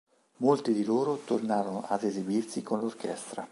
Molti di loro tornarono ad esibirsi con l'orchestra.